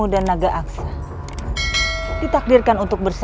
di situ sih bapak lebih konsentrisi